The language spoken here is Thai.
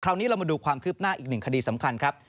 เรานี้เรามาดูความคืบหน้าอีกหนึ่งคดีสำคัญครับ